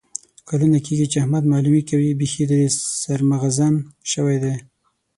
کلونه کېږي چې احمد معلیمي کوي. بیخي ترې سر مغزن شوی دی.